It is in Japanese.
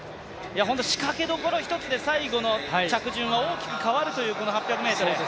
仕掛けどころ一つで最後の着順が大きく変わるというこの８００ｍ。